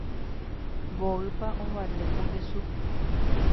Mboýpa ovale ko kesu.